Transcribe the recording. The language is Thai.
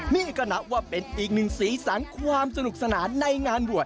นี่ก็นับว่าเป็นอีกหนึ่งสีสันความสนุกสนานในงานบวช